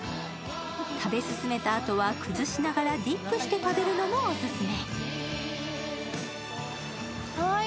食べ進めたあとは崩しながらディップして食べるのもオススメ。